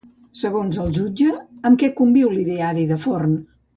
Segons el jutge, amb què conviu l'ideari de Forn?